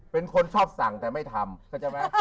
เป็นคนชอบสั่งแต่ไม่ทำ